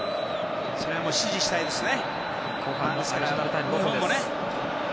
それは支持したいですね。